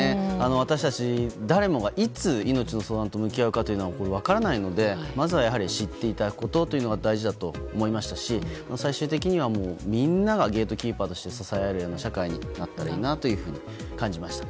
私たち、誰がいつ、命の相談と向き合うかは分からないのでまずは知っていただくことが大事だと思いましたし最終的にはみんながゲートキーパーとして支え合えるような社会になったらいいなと感じました。